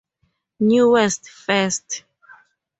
Newest first.